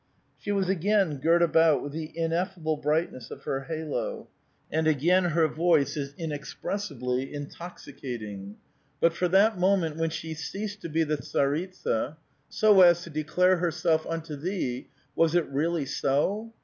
She was again girt about with the ineffable brightness of her halo, and again her voice 4s inexpressibly intoxicating. But for that moment when she ceased to be the tsaritsa, so as to declare herself unto thee, was it really so?